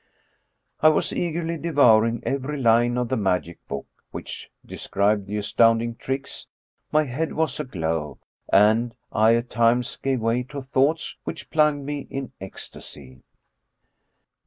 I was eagerly devouring every line of the magic book 204 M. Robert'Houdin which described the astounding tricks ; my head was aglow, and I at times gave way to thoughts which plunged me in ecstasy.